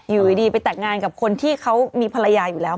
อยู่ดีไปแต่งงานกับคนที่เขามีภรรยาอยู่แล้ว